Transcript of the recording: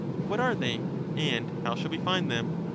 What are they, and how shall we find them